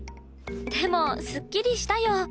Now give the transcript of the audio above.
でもすっきりしたよ。